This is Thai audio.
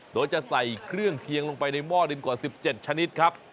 โดยจะใส่เครื่องเคียงลงไปในหม้อดินกว่า๑๗ชนิดครับ